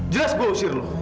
jelas gue ngusir lu